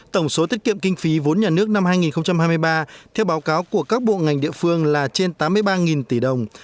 tổng số tiết kiệm kinh phí vốn nhà nước năm hai nghìn hai mươi ba theo báo cáo của các bộ ngành địa phương là trên tám mươi ba tỷ đồng